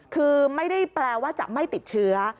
คือไม่ได้แปลว่าจะไม่ติดเชื้อ